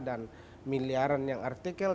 dan miliaran yang tercetak